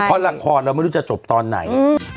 เพราะละครเราไม่รู้จะจบตอนไหน